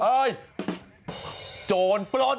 โอ้ยโจรปล่น